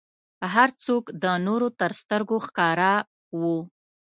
هر څوک د نورو تر سترګو ښکاره و.